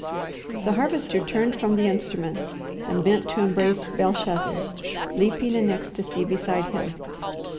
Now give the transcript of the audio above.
The Harvester turned from the instrument and bent to embrace Belshazzar, leaping in ecstasy beside him.